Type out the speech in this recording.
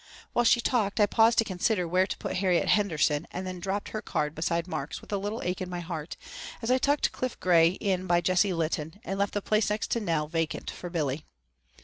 While she talked I paused to consider where to put Harriet Henderson and then dropped her card beside Mark's with a little ache in my heart as I tucked Cliff Gray in by Jessie Litton and left the place next Nell vacant for Billy.